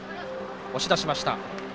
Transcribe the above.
押し出しました。